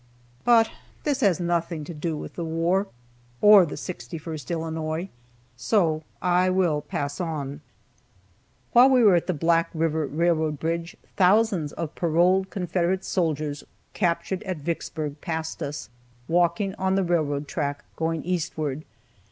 But this has nothing to do with the war, or the 61st Illinois, so I will pass on. While we were at the Black river railroad bridge thousands of paroled Confederate soldiers captured at Vicksburg passed us, walking on the railroad track, going eastward.